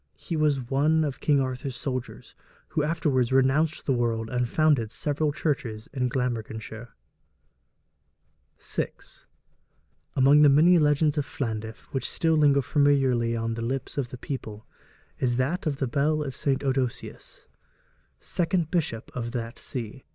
He was one of King Arthur's soldiers, who afterwards renounced the world, and founded several churches in Glamorganshire. FOOTNOTE: 'Cambro British Saints,' 492. VI. Among the many legends of Llandaff which still linger familiarly on the lips of the people is that of the bell of St. Oudoceus, second bishop of that see.